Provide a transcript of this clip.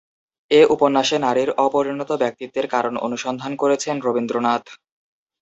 এ উপন্যাসে নারীর অপরিণত ব্যক্তিত্বের কারণ অনুসন্ধান করেছেন রবীন্দ্রনাথ।